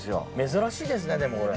珍しいですねでもこれ。